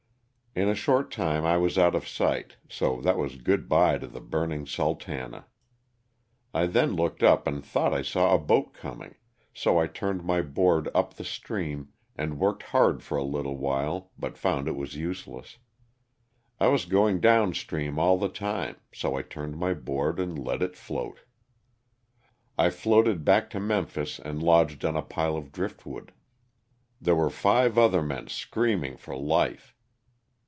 In a short time I was out of sight, so that was good bye to the burning '* Sultana." I then looked up and thought I saw a boat coming, so I turned my board up the stream and worked hard for a little while but found it was useless. I was going down stream all the time, so I turned my board and let it float. I floated back to Memphis and lodged on a pile of drift wood. There were five other men screaming for life.